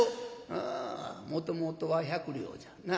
「ああもともとは百両じゃな。